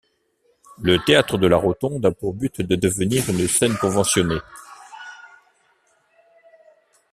Le théâtre de la Rotonde a pour but de devenir une scène conventionnée.